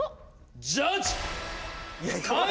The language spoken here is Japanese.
ジャッジ！